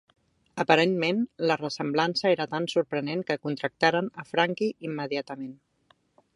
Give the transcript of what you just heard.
Aparentment, la ressemblança era tan sorprenent que contractaren a Frankie immediatament.